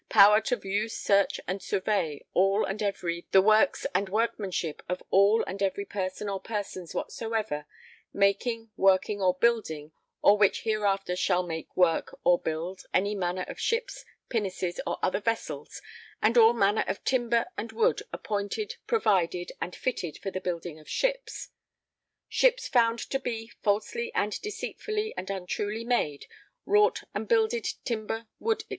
Power to_] view search and survey all and every the Works and Workmanship of all and every person or persons whatsoever making working or building or which hereafter shall make work or build any manner of ships, pinnaces or other vessels and all manner of timber and wood appointed provided and fitted for the building of ships ... [Ships found to be] falsely and deceitfully and untruly made wrought and builded [_timber, wood, &c.